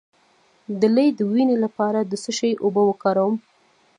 د لۍ د وینې لپاره د څه شي اوبه وکاروم؟